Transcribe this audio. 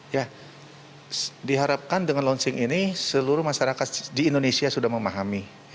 ya diharapkan dengan launching ini seluruh masyarakat di indonesia sudah memahami ya bahwa ada penindakan